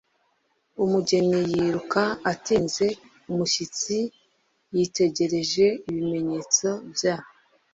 umugeni yiruka atinze - umushyitsi yitegereje. ibimenyetso bya